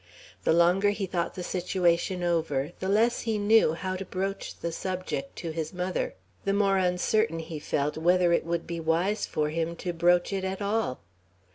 The longer he thought the situation over, the less he knew how to broach the subject to his mother; the more uncertain he felt whether it would be wise for him to broach it at all.